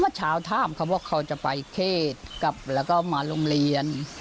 เช้าถามเขาว่าเขาจะไปเขตกลับแล้วก็มาโรงเรียน